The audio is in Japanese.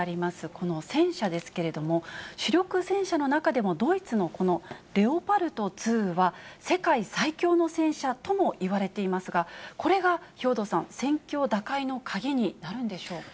この戦車ですけれども、主力戦車の中でも、ドイツのこのレオパルト２は、世界最強の戦車ともいわれていますが、これが兵頭さん、戦況打開の鍵になるんでしょうか。